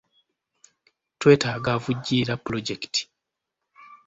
Twetaaga avujjirira pulojekiti.